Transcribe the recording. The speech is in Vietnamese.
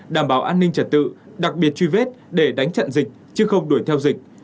đảm bảo an ninh trật tự đặc biệt truy vết để đánh chặn dịch chứ không đuổi theo dịch